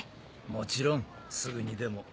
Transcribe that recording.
もちろんすぐにでも。